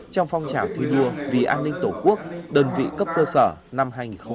trong phong trào thi đua vì an ninh tổ quốc đơn vị cấp cơ sở năm hai nghìn hai mươi